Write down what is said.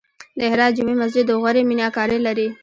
د هرات جمعې مسجد د غوري میناکاري لري